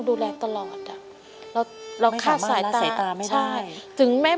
พูดได้ไหม